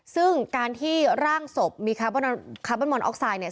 ซึ่งการที่ร่างศพมีคาร์บอนมอนออกไซด์เนี่ย